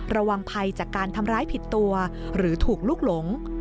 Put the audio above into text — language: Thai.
ระวังภัยจากการทำร้ายผิดตัวหรือถูกลุกหลง